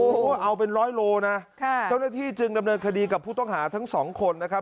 โอ้โหเอาเป็นร้อยโลนะเจ้าหน้าที่จึงดำเนินคดีกับผู้ต้องหาทั้งสองคนนะครับ